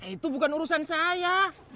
itu bukan urusan saya